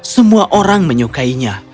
semua orang menyukainya